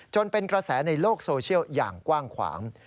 เป็นกระแสในโลกโซเชียลอย่างกว้างขวาง